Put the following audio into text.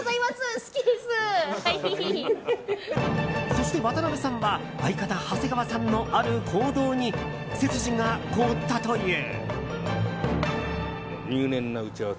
そして、渡辺さんは相方・長谷川さんのある行動に背筋が凍ったという。